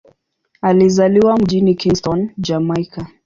Alizaliwa mjini Kingston, Jamaika.